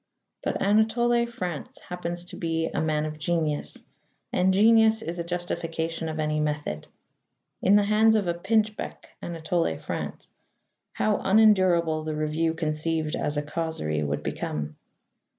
But Anatole France happens to be a man of genius, and genius is a justification of any method. In the hands of a pinchbeck Anatole France, how unendurable the review conceived as a causerie would become!